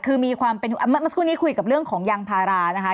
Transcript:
คือมีความเป็นเมื่อสักครู่นี้คุยกับเรื่องของยางพารานะคะ